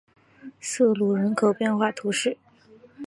瑟卢人口变化图示